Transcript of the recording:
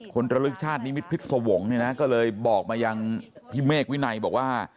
คนตระลึกชาตินิมิตพิษโสวงก็เลยบอกมาอย่างพี่เมฆวินัยบอกว่า